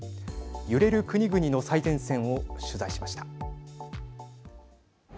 揺れる国々の最前線を取材しました。